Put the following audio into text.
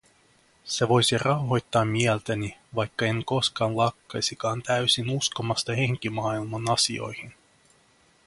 Se voisi rauhoittaa mieltäni, vaikka en koskaan lakkaisikaan täysin uskomasta henkimaailman asioihin.